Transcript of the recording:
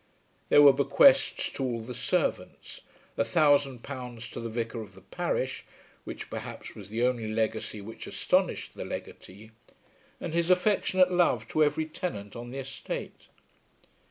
There were bequests to all the servants, a thousand pounds to the vicar of the parish, which perhaps was the only legacy which astonished the legatee, and his affectionate love to every tenant on the estate.